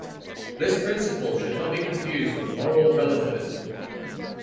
This principle should not be confused with moral relativism.